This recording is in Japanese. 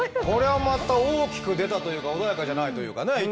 これはまた大きく出たというか穏やかじゃないというかね。